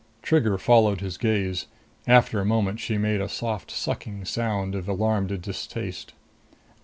Trigger followed his gaze. After a moment she made a soft, sucking sound of alarmed distaste.